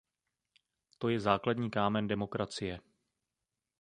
To je základní kámen demokracie.